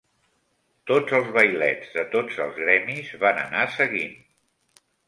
Tots els vailets de tots els gremis van anar seguint